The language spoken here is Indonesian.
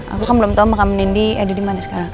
aku kan belum tau makam nindi ada dimana sekarang